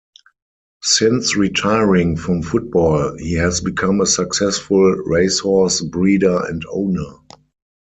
Since retiring from football, he has become a successful racehorse breeder and owner.